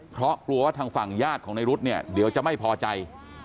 เพราะกลัวว่าทางฝั่งญาติของในรุ๊ดเนี่ยเดี๋ยวจะไม่พอใจ